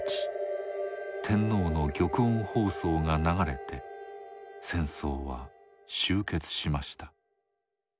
天皇の玉音放送が流れて戦争は終結しました。